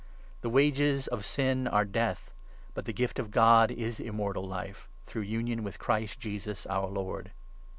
The 23 wages of Sin are Death, but the gift of God is Immortal Life, through union with Christ Jesus, our Lord.